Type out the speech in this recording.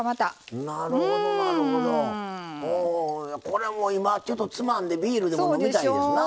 これも今ちょっとつまんでビールでも飲みたいですな。